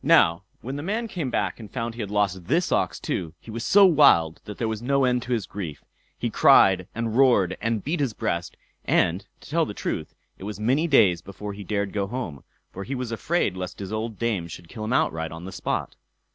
Now, when the man came back and found he had lost this ox too, he was so wild that there was no end to his grief. He cried and roared and beat his breast, and, to tell the truth, it was many days before he dared go home; for he was afraid lest his old dame should kill him outright on the spot.